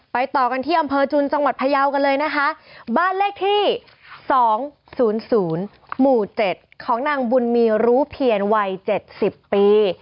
ต่อกันที่อำเภอจุนจังหวัดพยาวกันเลยนะคะบ้านเลขที่๒๐๐หมู่๗ของนางบุญมีรู้เพียรวัย๗๐ปี